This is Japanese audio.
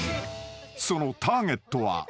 ［そのターゲットは］